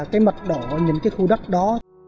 cái mặt độ những cái khu đất đó